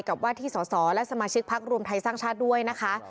กับว่าที่สอสอและสมาชิกพักรวมไทยสร้างชาติด้วยนะคะ